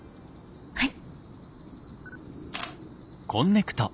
はい。